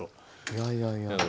いやいやいや。